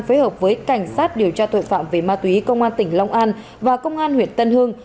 phối hợp với cảnh sát điều tra tội phạm về ma túy công an tỉnh long an và công an huyện tân hưng